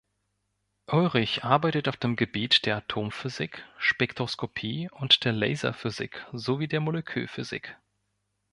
Ullrich arbeitet auf dem Gebiet der Atomphysik, Spektroskopie und der Laserphysik sowie der Molekülphysik.